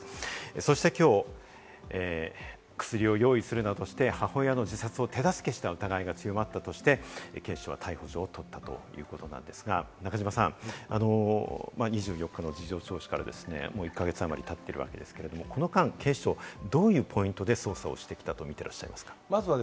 そしてきょう薬を用意するなどして母親の自殺を手助けした疑いが強まったとして警視庁が逮捕状を取ったということなんですが、中島さん、２４日の事情聴取から１か月あまり経っているわけですが、この間、警視庁はどういうポイントで捜査をしてきたと見ていらっしゃいますか？